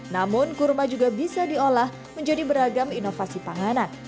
namun kurma juga bisa diolah menjadi beragam inovasi panganan